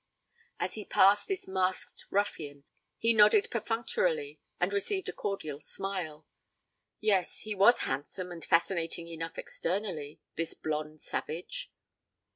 As he passed this masked ruffian, he nodded perfunctorily and received a cordial smile. Yes, he was handsome and fascinating enough externally, this blonde savage.